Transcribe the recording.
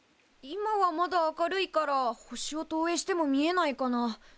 今はまだ明るいから星を投影しても見えないかな。